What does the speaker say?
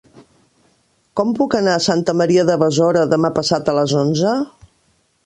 Com puc anar a Santa Maria de Besora demà passat a les onze?